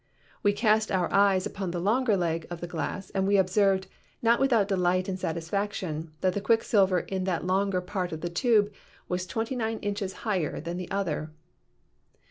We cast our eyes upon the longer leg of the glass and we observed, not without delight and satisfaction, that the quicksilver in that longer part of the tube was 29 inches higher than the other."